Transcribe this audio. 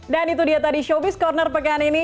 dan itu dia tadi showbiz corner pekan ini